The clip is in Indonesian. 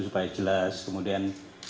supaya jelas kemudian